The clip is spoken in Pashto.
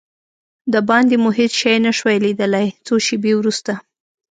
دباندې مو هېڅ شی نه شوای لیدلای، څو شېبې وروسته.